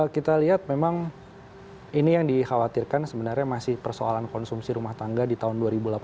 kita lihat memang ini yang dikhawatirkan sebenarnya masih persoalan konsumsi rumah tangga di tahun dua ribu delapan belas